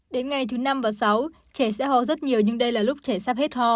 đến ngày thứ năm và sáu trẻ sẽ hò rất nhiều nhưng đây là lúc trẻ sắp hết hò